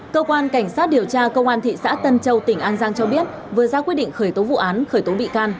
cơ quan cảnh sát điều tra công an thị xã tân châu tỉnh an giang cho biết vừa ra quyết định khởi tố vụ án khởi tố bị can